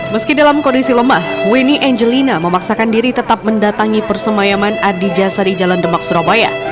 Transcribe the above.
meski dalam kondisi lemah weni angelina memaksakan diri tetap mendatangi persemayaman adi jasa di jalan demak surabaya